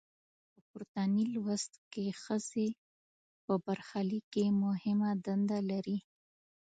په پورتني لوست کې ښځې په برخلیک کې مهمه نډه لري.